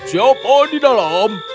siapa di dalam